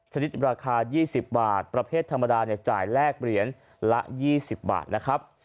ชนิดราคา๒๐บาทประเภทธรรมดาจ่ายแลกเหรียญละ๒๐บาทนะครับ